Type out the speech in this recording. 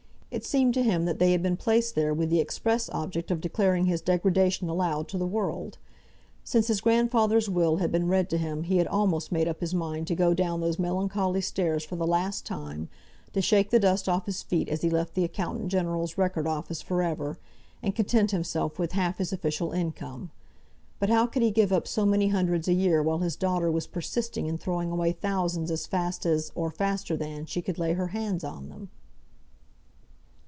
It seemed to him that they had been placed there with the express object of declaring his degradation aloud to the world. Since his grandfather's will had been read to him he had almost made up his mind to go down those melancholy stairs for the last time, to shake the dust off his feet as he left the Accountant General's Record Office for ever, and content himself with half his official income. But how could he give up so many hundreds a year while his daughter was persisting in throwing away thousands as fast as, or faster than, she could lay her hands on them?